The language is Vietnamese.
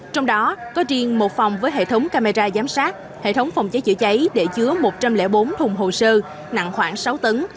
trong đó có riêng một phòng với hệ thống camera giám sát hệ thống phòng cháy chữa cháy để chứa một trăm linh bốn thùng hồ sơ nặng khoảng sáu tấn